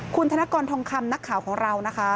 คุณธนกรทองคำนักข่าวของเรานะคะ